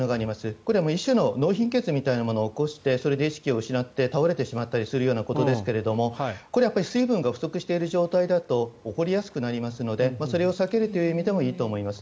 これは一種の脳貧血みたいなものを起こしてそれで意識を失って倒れてしまったりするようなことですがこれはやっぱり水分が不足している状態だと起こりやすくなりますのでそれを避けるという意味でもいいと思います。